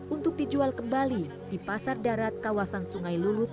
untuk dijual kembali di pasar darat kawasan sungai lulut